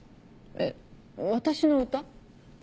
えっ私の歌？